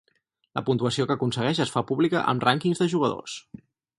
La puntuació que aconsegueix es fa pública amb rànquings de jugadors.